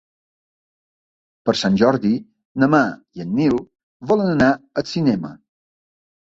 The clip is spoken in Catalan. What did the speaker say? Per Sant Jordi na Mar i en Nil volen anar al cinema.